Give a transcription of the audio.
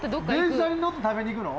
電車に乗って食べに行くの？